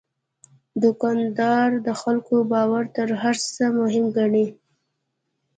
دوکاندار د خلکو باور تر هر څه مهم ګڼي.